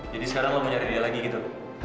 jadi sekarang lo mau nyari dia lagi gitu